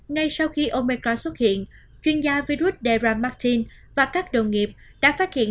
ngay sau khi omecron xuất hiện chuyên gia virus dera martin và các đồng nghiệp đã phát hiện